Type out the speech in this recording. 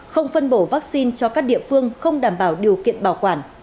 không phân bổ vaccine cho các địa phương không đảm bảo điều kiện bảo quản